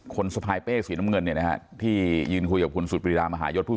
คนสภายเป้กสีนะคะที่ยืนคุยกับคุณสุฤษฎีรามาหายทหาร